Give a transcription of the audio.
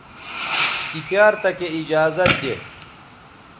تی تیار تکے ایجازت دے